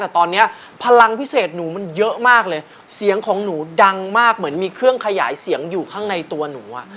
แต่ตอนนี้พลังพิเศษหนูมันเยอะมากเลยเสียงของหนูดังมากเหมือนมีเครื่องขยายเสียงอยู่ข้างในตัวหนู